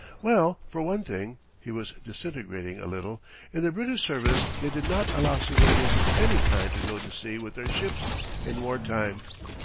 Well, for one thing (he was disintegrating a little), in the British service they did not allow civilians of any kind to go to sea with their ships in war time.